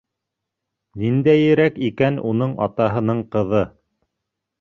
Ниндәйерәк икән уның атаһының ҡыҙы?